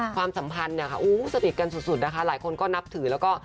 ความสัมพันธ์เนี่ยค่ะสนิทกันสุดนะคะหลายคนก็นับถือแล้วก็